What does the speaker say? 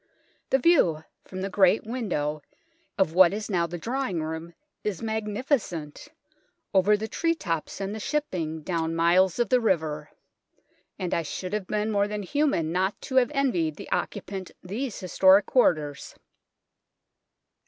The view from the great window of what is now the drawing room is magnificent, over the tree tops and the shipping down miles of the river ; and I should have been more than human not to have envied the occupant these historic quarters.